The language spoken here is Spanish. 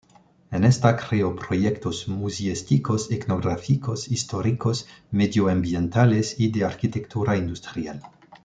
En esta creó proyectos museísticos, etnográficos, históricos, medioambientales y de arquitectura industrial.